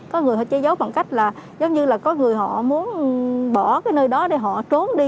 có người phải che giấu bằng cách là giống như là có người họ muốn bỏ cái nơi đó để họ trốn đi